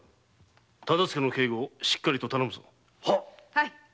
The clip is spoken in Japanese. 大岡の警護をしっかりと頼むぞ。